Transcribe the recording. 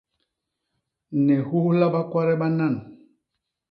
Ni hulha bakwade banan!